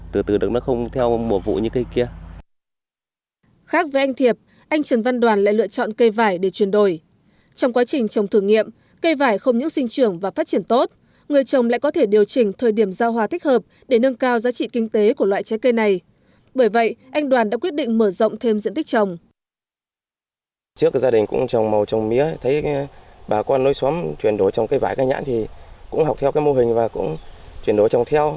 trước gia đình cũng trồng màu trồng mía thấy bà con nối xóm chuyển đổi trồng cây vải cây nhãn thì cũng học theo mô hình và cũng chuyển đổi trồng theo